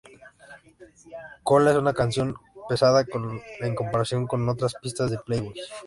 Kola es una canción más pesada en comparación con las otras pistas de Playboys.